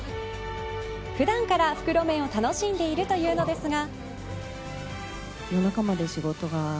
普段から袋麺を楽しんでいるというのですが。